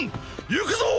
行くぞ！